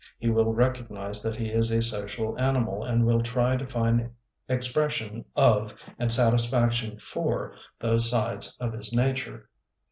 He will recognize that he is a social animal, and will try to find expression of and satisfaction for those sides of his nature.